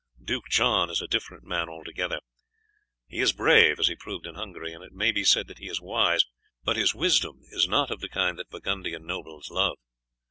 Duke John is a different man altogether. He is brave, as he proved in Hungary, and it may be said that he is wise, but his wisdom is not of the kind that Burgundian nobles love.